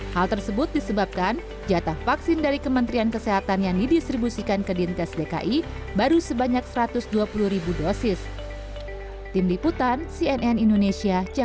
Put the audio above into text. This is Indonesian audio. hal tersebut disebabkan jatah vaksin dari kementerian kesehatan yang didistribusikan ke dinkes dki baru sebanyak satu ratus dua puluh ribu dosis